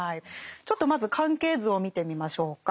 ちょっとまず関係図を見てみましょうか。